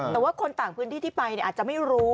แต่ว่าคนต่างพื้นที่ที่ไปอาจจะไม่รู้